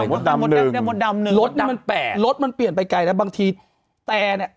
มดดำ๑มดดำมันแปะรถมันเปลี่ยนไปไกลนะบางทีแต่เนี่ย